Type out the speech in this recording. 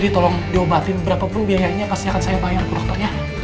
terima kasih eh bu dokter